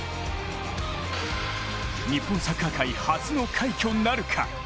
日本サッカー界初の快挙なるか。